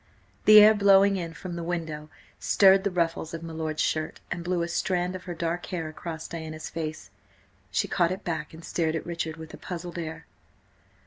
The air blowing in from the window stirred the ruffles of my lord's shirt, and blew a strand of her dark hair across Diana's face. She caught it back and stared at Richard with a puzzled air.